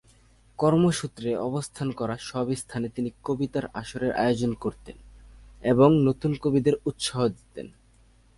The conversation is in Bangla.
কর্মসূত্রে অবস্থান করা সব স্থানে তিনি কবিতার আসরের আয়োজন করতেন এবং নতুন কবিদের উৎসাহ দিতেন।